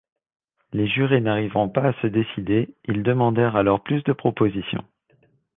Les jurés n’arrivant pas à se décider, ils demandèrent alors plus de propositions.